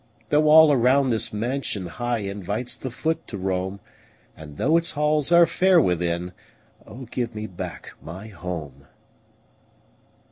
Though all around this mansion high Invites the foot to roam, And though its halls are fair within Oh, give me back my HOME!